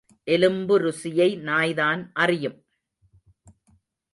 எலும்பு ருசியை நாய்தான் அறியும்?